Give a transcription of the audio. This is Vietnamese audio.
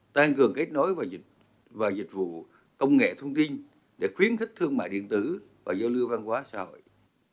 tăng cường kết nối và dịch vụ công nghệ thông tin để khuyến khích thương mại điện tử và giao lưu văn hóa xã hội